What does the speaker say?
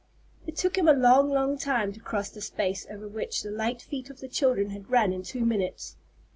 It took him a long, long time to cross the space over which the light feet of the children had run in two minutes.